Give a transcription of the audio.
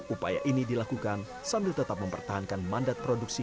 upaya ini dilakukan sambil tetap mempertahankan mandat produksi